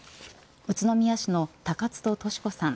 宇都宮市の高津戸トシ子さん